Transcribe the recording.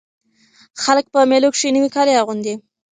خلک په مېلو کښي نوي کالي اغوندي.